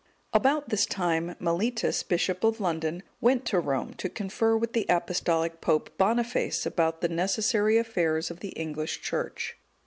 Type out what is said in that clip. About this time, Mellitus, bishop of London, went to Rome, to confer with the Apostolic Pope Boniface about the necessary affairs of the English Church.